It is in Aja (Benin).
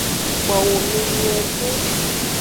Kpowo me nyuiede.